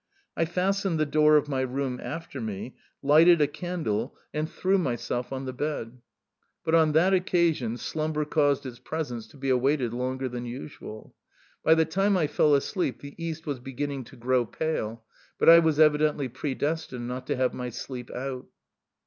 I fastened the door of my room after me, lighted a candle, and threw myself on the bed; but, on that occasion, slumber caused its presence to be awaited longer than usual. By the time I fell asleep the east was beginning to grow pale, but I was evidently predestined not to have my sleep out.